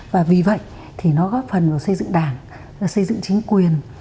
và vì vậy thì nó góp phần vào xây dựng đảng xây dựng chính quyền